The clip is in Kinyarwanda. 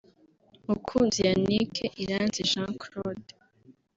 Mukunzi Yannick; Iranzi Jean Claude